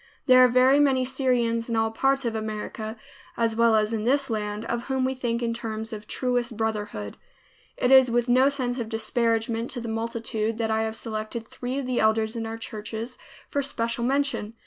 There are very many Syrians in all parts of America, as well as in this land, of whom we think in terms of truest brotherhood. It is with no sense of disparagement to the multitude that I have selected three of the elders in our churches for special mention.